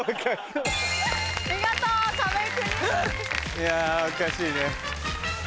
いやおかしいね。